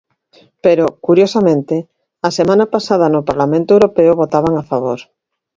Pero, curiosamente, a semana pasada no Parlamento europeo votaban a favor.